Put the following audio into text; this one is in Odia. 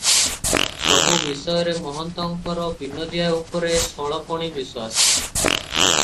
ସବୁ ବିଷୟରେ ମହନ୍ତଙ୍କର ବିନୋଦିଆ ଉପରେ ଷୋଳପଣି ବିଶ୍ୱାସ ।